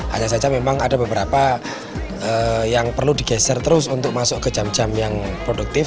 hanya saja memang ada beberapa yang perlu digeser terus untuk masuk ke jam jam yang produktif